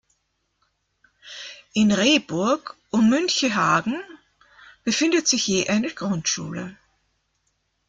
In Rehburg und Münchehagen befindet sich je eine Grundschule.